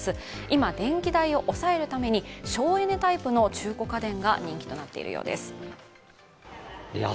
今、電気代を抑えるために省エネタイプの中古家電が人気となっているようです。